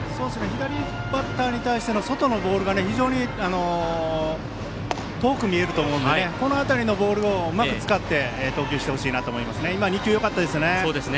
左バッターに対しての外のボールが非常に遠く見えると思うのでこの辺りのボールをうまく使い投球してほしいなと思います。